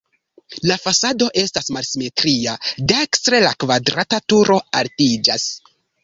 La fasado estas malsimetria, dekstre la kvadrata turo altiĝas.